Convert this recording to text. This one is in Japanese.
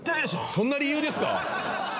そんな理由ですか？